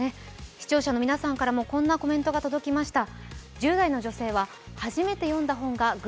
視聴者の皆さんからもこんなコメントが届きました。